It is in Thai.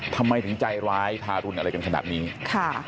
ทำไมถึงใจร้ายทารุณอะไรกันขนาดนี้ค่ะ